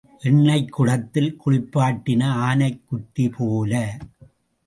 எண்ணெய்க் குடத்தில் குளிப்பாட்டின ஆனைக்குட்டி போல.